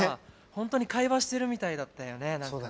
本当に会話してるみたいだったよね。